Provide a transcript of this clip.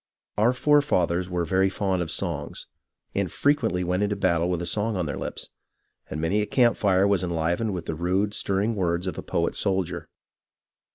Our forefathers were very fond of songs, and frequently went into battle with a song on their lips ; and many a camp fire was enlivened with the rude, stirring words of 122 HISTORY OF THE AMERICAN REVOLUTION a poet soldier.